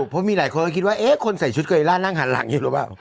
พวกมีกระทดินดาคิดว่าเอ๊ะคนใส่ชุดกอรีล่านั่งหาลังอยู่รึเปล่า